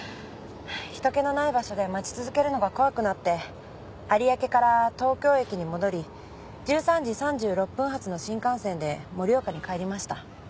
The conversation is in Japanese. ひと気のない場所で待ち続けるのが怖くなって有明から東京駅に戻り１３時３６分発の新幹線で盛岡に帰りました。